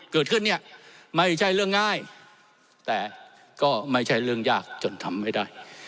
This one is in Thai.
เกิดขึ้นเนี่ยไม่ใช่เรื่องง่ายแต่ก็ไม่ใช่เรื่องยากจนทำไม่ได้